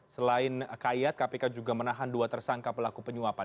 selain kayat kpk juga menahan dua tersangka pelaku penyuapan